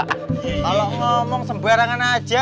kalau ngomong sembarangan aja